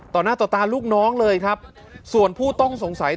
ต่อหน้าต่อตาลูกน้องเลยครับส่วนผู้ต้องสงสัย